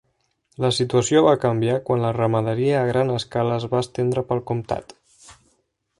La situació va canviar quan la ramaderia a gran escala es va estendre pel comtat.